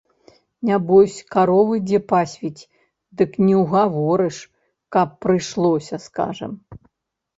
Нябось, каровы дзе пасвіць, дык не ўгаворыш, каб прыйшлося, скажам.